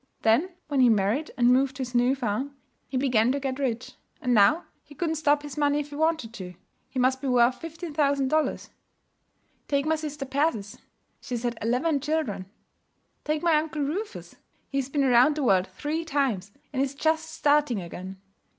Then when he married and moved to his new farm, he began to get rich; and now he couldn't stop his money if he wanted to. He must be worth fifteen thousand dollars. 'Take my sister Persis. She's had eleven children. 'Take my uncle Rufus. He's been around the world three times, and is just starting again.